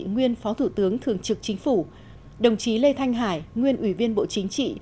nguyên phó thủ tướng thường trực chính phủ đồng chí lê thanh hải nguyên ủy viên bộ chính trị